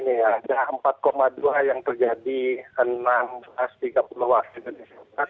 ada empat dua yang terjadi enam tiga lister